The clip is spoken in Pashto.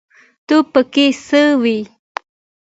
ته پکې څه وايې